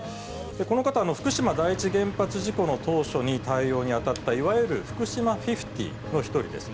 この方、福島第一原発事故の当初に対応に当たった、いわゆるフクシマ５０の一人です。